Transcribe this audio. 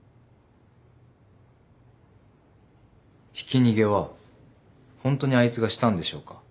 ひき逃げはホントにあいつがしたんでしょうか？